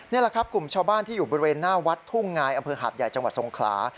นี่แหละครับกลุ่มชาวบ้านที่อยู่บริเวณหน้าวัดทุ่งงายอำเภอหาดใหญ่จังหวัดทรงขลา